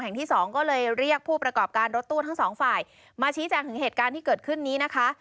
ที่สองก็เลยเรียกผู้ประกอบการรถตู้ทั้งสองฝ่ายมาชี้แจงถึงเหตุการณ์ที่เกิดขึ้นนี้นะคะ